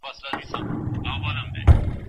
ښځه د خاوند اسرار په ښه توګه ساتي.